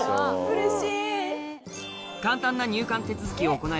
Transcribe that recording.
うれしい！